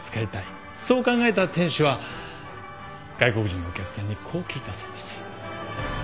そう考えた店主は外国人のお客さんにこう聞いたそうです。